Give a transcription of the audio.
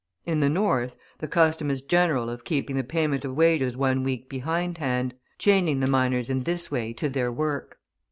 In the North, the custom is general of keeping the payment of wages one week behindhand, chaining the miners in this way to their work.